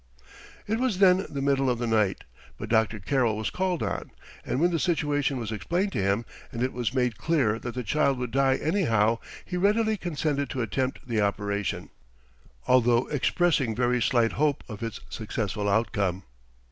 "It was then the middle of the night. But Dr. Carrel was called on, and when the situation was explained to him, and it was made clear that the child would die anyhow, he readily consented to attempt the operation, although expressing very slight hope of its successful outcome.